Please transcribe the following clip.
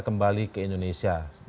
kembali ke indonesia